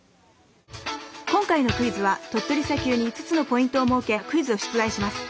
今回のクイズは鳥取砂丘に５つのポイントを設けクイズを出題します。